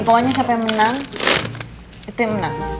pokoknya siapa yang menang itu yang menang